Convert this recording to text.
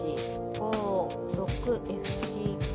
５６ＦＣＫ。